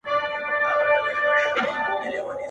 o گلاب جانانه ته مي مه هېروه.